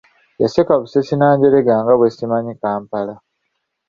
Yaseka busesi n'anjerega nga bwe simanyi Kampala.